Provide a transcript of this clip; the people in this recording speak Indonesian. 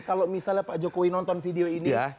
kalau misalnya pak jokowi nonton video ini